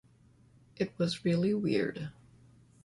It was really weird.